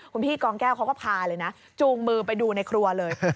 คุณพี่กองแก้วเขาก็พาเลยนะจูงมือไปดูในครัวเลย